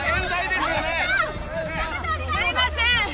「すいません。